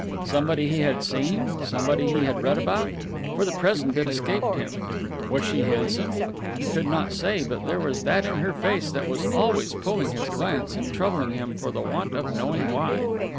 Somebody he had seen, somebody he had read about? For the present it escaped him. Was she handsome? He could not say; but there was that in her face that was always pulling his glance and troubling him for the want of knowing why.